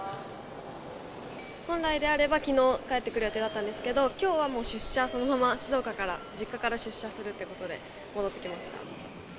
本来であればきのう、帰ってくる予定だったんですけど、きょうはもう出社、そのまま静岡から、実家から出社するということで戻ってきました。